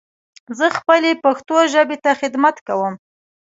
زه خپلې پښتو ژبې ته خدمت کوم.